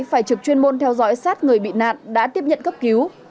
phải trực chuyên môn theo dõi sát người bị nạn đã tiếp nhận cấp cứu